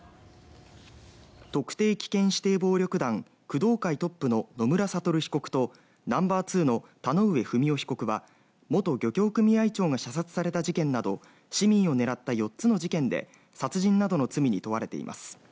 特定危険指定暴力団工藤会トップの野村悟被告とナンバーツーの田上不美夫被告は元漁協組合長が射殺された事件など市民を狙った４つの事件で殺人などの罪に問われています。